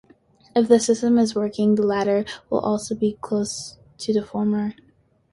If this system is working, the latter will be very close to the former.